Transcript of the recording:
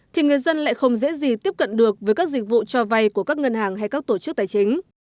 thì người dân lại không dễ gì tiếp cận được với các dịch vụ cho vay của các ngân hàng hay các tổ chức tài chính